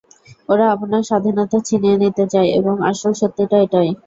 ওরা আপনার স্বাধীনতা ছিনিয়ে নিতে চায়, এবং আসল সত্যিটা এটাই!